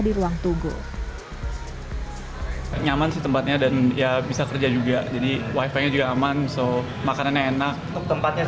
di ruang tugu nyaman tempatnya dan ya bisa kerja juga jadi wifi juga aman so makanan enak tempatnya